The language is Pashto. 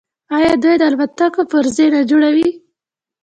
آیا دوی د الوتکو پرزې نه جوړوي؟